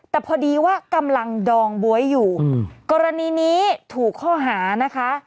แต่พอดีว่ากำลังดองบ๊วยอยู่กรณีนี้ถูกข้อหานะคะ